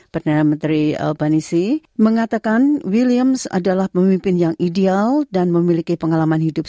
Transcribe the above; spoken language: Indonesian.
perdana menteri vanisi mengatakan williams adalah pemimpin yang ideal dan memiliki pengalaman hidup